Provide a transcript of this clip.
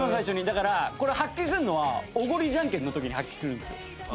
だからこれを発揮するのはおごりじゃんけんの時に発揮するんですよ。